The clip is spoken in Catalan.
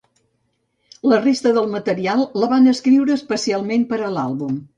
La resta del material la van escriure especialment per a l'àlbum.